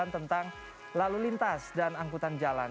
tentang lalu lintas dan angkutan jalan